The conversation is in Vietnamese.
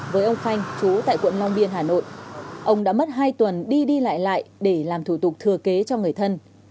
với ông khanh chú tại quận long biên hà nội ông đã mất hai tuần đi đi lại lại để làm thủ tục thừa kế cho người thân